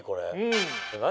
何？